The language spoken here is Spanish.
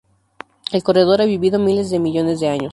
El Corredor ha vivido miles de millones de años.